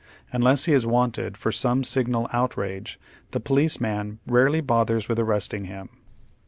Unless lie is " wanted " for some signal outrage, the policeman rarely bothers with arresting him.